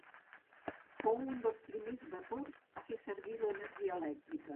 Fou un dels primers vapors a fer servir l'energia elèctrica.